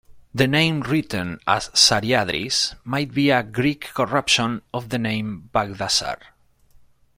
The name written as Dsariadris might be a Greek corruption of the name Bagdassar.